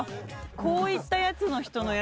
こういったやつの人のやつだ。